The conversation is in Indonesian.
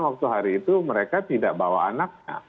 waktu hari itu mereka tidak bawa anaknya